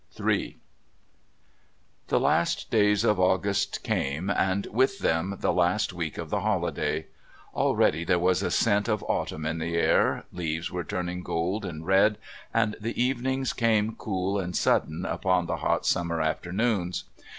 III The last days of August came, and with them the last week of the holiday. Already there was a scent of autumn in the air, leaves were turning gold and red, and the evenings came cool and sudden, upon the hot summer afternoons.